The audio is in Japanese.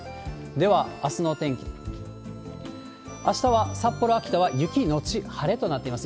では、あすのお天気、あしたは札幌、秋田は雪後晴れとなっています。